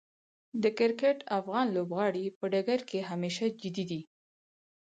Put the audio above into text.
د کرکټ افغان لوبغاړي په ډګر کې همیشه جدي دي.